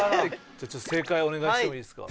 じゃあちょっと正解お願いしてもいいですか。